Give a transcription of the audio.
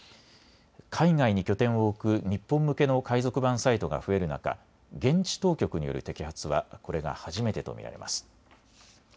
海外に拠点を置く日本向けの海賊版サイトが増える中、現地当局による摘発はこれが初めてと見られます。